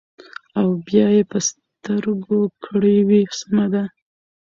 او بيا يې پۀ سترګو کړې وې سمه ده ـ